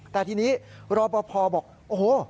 แต่ทีนี้รอปภบอกโอ้โห